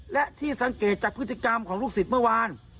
และที่สังเกตจากพฤติกรรมของลูกศิษย์เมื่อวาน